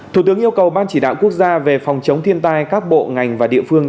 thủ tướng yêu cầu ban chỉ đạo quốc gia về phòng chống thiên tai các bộ ngành và địa phương